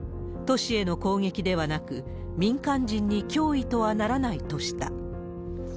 都市への攻撃ではなく、民間人に脅威とはならないとした。